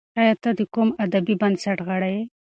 ایا ته د کوم ادبي بنسټ غړی یې؟